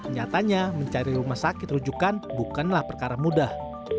nyatanya mencari rumah sakit rujukan bukanlah perkara mudah